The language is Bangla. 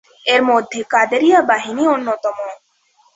এর মধ্যে কাদেরিয়া বাহিনী অন্যতম।